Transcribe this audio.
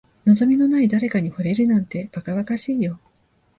望みのない誰かに惚れるなんて、ばかばかしいよ。